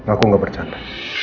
aku gak bercanda